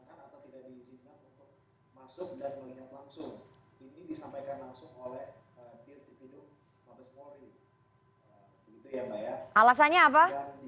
kewajiban kan bukan berarti kelarangan gitu